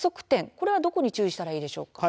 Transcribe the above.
これはどこに注意したらいいでしょうか。